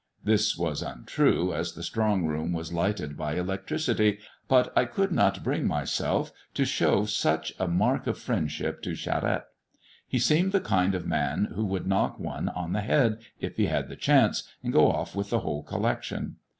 This was untrue, as the strong room was lighted by electricity ; but I could not bring myself to show such a mark of friendship to Charette. He seemed the kind of man who would knock one on the head, if he had the chance, and go ofE with the whole collection.